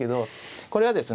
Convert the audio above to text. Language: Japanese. これはですね